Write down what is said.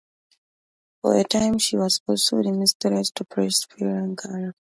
For a time she was also the mistress to priest Pierre Clergue.